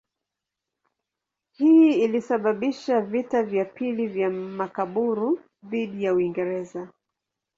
Hii ilisababisha vita vya pili vya Makaburu dhidi ya Uingereza.